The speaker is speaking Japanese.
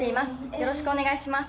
よろしくお願いします。